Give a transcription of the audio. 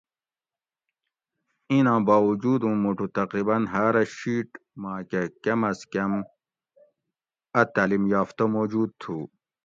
ایں نا باوجود اوں موٹو تقریباً ہاۤرہ شِیٹ ماکہ کم از کم اۤ تعلیم یافتہ موجود تھو